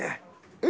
え？